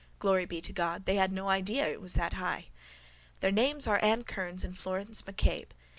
Glory be to God. They had no idea it was that high. Their names are Anne Kearns and Florence MacCabe.